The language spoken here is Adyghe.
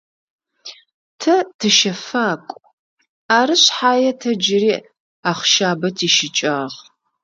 Тэ тыщэфакӏу, ары шъхьае тэ джыри ахъщабэ тищыкӏагъ.